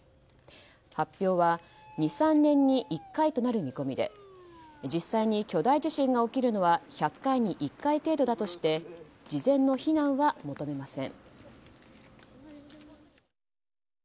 発表は２３年に１回となる見込みで実際に巨大地震が起きるのは１００回に１回程度だとして事前の避難は求めません。